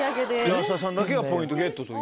安田さんだけがポイントゲットと。